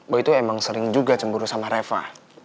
boy tuh emang sering juga cemburu sama reva